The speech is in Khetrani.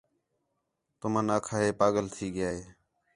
تُمن آکھا ہِے، ہِے پاڳل تھی ڳِیا ہِے